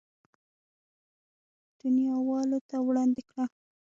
دنياوالو ته وړاندې کړه.